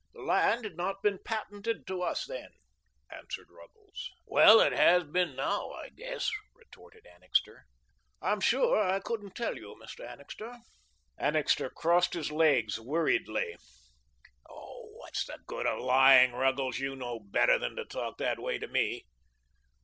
"The land had not been patented to us then," answered Ruggles. "Well, it has been now, I guess," retorted Annixter. "I'm sure I couldn't tell you, Mr. Annixter." Annixter crossed his legs weariedly. "Oh, what's the good of lying, Ruggles? You know better than to talk that way to me."